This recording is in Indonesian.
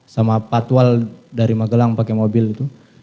sama patwal dari magelang pakai mobil itu